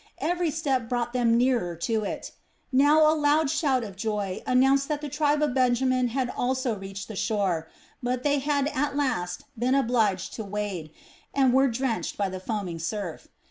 Every step brought them nearer to it. Now a loud shout of joy announced that the tribe of Benjamin had also reached the shore; but they had at last been obliged to wade, and were drenched by the foaming surf.